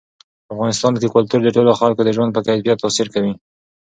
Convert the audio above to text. په افغانستان کې کلتور د ټولو خلکو د ژوند په کیفیت تاثیر کوي.